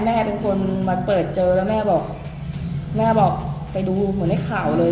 ตอนแรกแม่เป็นคนมาเปิดเจอแล้วแม่บอกไปดูเหมือนไม่ข่าวเลย